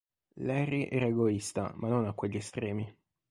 Larry era egoista, ma non a quegli estremi.